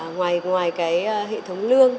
ngoài cái hệ thống lương